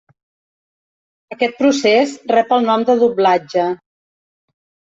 Aquest procés rep el nom de doblatge.